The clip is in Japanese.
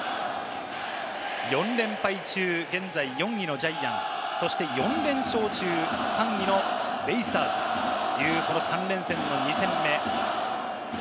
４連敗中、現在４位のジャイアンツ、そして４連勝中、３位のベイスターズという３連戦の２戦目。